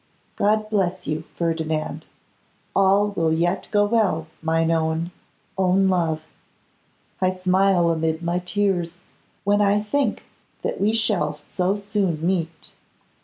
God bless you, Ferdinand! All will yet go well, mine own, own love. I smile amid my tears when I think that we shall so soon meet.